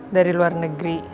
dari luar negeri